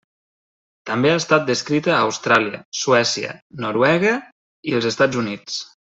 També ha estat descrita a Austràlia, Suècia, Noruega i els Estats Units.